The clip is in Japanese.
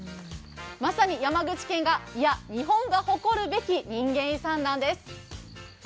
まさに山口県が、いや日本が誇るべき人間遺産なんです。